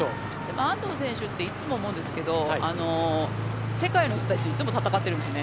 安藤選手っていつも思うんですけど世界の人たちといつも戦ってるんですね。